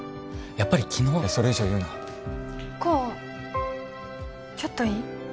やっぱり昨日のそれ以上言うな功ちょっといい？